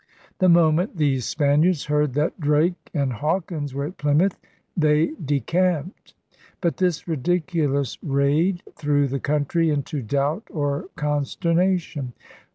The moment these Spaniards heard that Drake and Hawkins were at Plymouth they decamped. But this ridiculous raid threw the country into doubt or consternation.